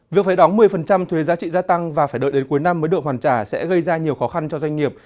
việc phải đóng một mươi thuế giá trị gia tăng và phải đợi đến cuối năm mới được hoàn trả sẽ gây ra nhiều khó khăn cho doanh nghiệp